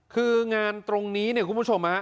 คืองานตรงนี้เนี่ยคุณผู้ชมฮะ